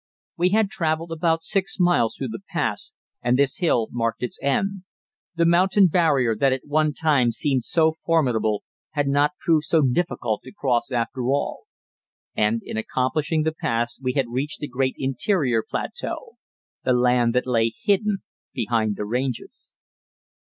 We had travelled about six miles through the pass, and this hill marked its end; the mountain barrier that at one time seemed so formidable had not proved so difficult to cross after all. And in accomplishing the pass we had reached the great interior plateau the land that lay hidden behind the ranges.